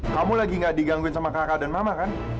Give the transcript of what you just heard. kamu lagi gak digangguin sama kakak dan mama kan